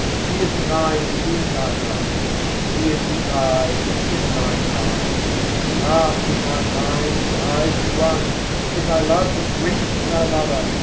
He is the Mind within my mind: He is the Eye within mine eye. Ah, could my mind and eyes be one! Could my love but reach to my Lover!